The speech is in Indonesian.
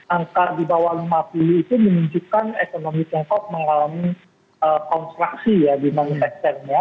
angka di bawah lima puluh itu menunjukkan ekonomi tiongkok mengalami konstruksi ya di manifesternya